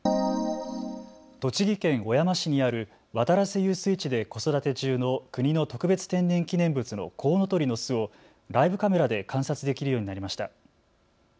栃木県小山市にある渡良瀬遊水地で子育て中の国の特別天然記念物のコウノトリの巣をライブカメラで観察できるようになりました。